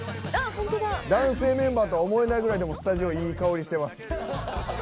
男性メンバーとは思えないくらいスタジオ、いい香りしてます。